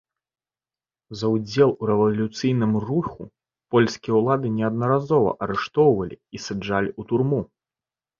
За ўдзел у рэвалюцыйным руху польскія ўлады неаднаразова арыштоўвалі і саджалі ў турму.